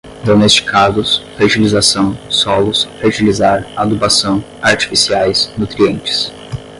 domesticados, fertilização, solos, fertilizar, adubação, artificiais, nutrientes